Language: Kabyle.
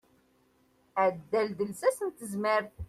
Addal d lsas n tezmert.